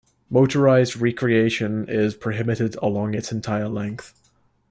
Motorized recreation is prohibited along its entire length.